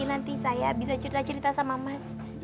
nanti saya bisa cerita cerita sama mas